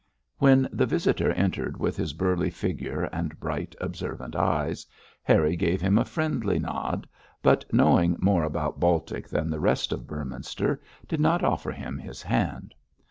When the visitor entered with his burly figure and bright, observant eyes, Harry gave him a friendly nod, but knowing more about Baltic than the rest of Beorminster, did not offer him his hand.